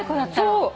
そう。